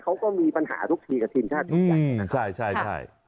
เขาก็มีปัญหาทุกทีกับทีมชาติชุดใหญ่